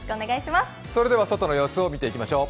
それでは外の様子を見ていきましょう。